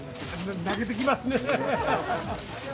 泣けてきますね。